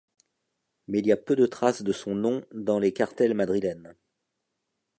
Mais il y a peu de traces de son nom dans les cartels madrilènes.